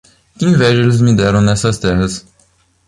Que inveja eles me deram nestas terras!